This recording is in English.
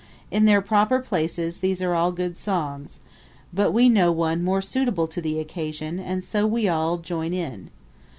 In their proper places these are all good songs, but we know one more suitable to the occasion, and so we all join in.